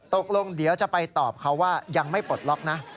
ตกลงเดี๋ยวจะไปตอบเขาว่ายังไม่ปลดล็อกนะ